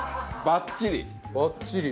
ばっちり。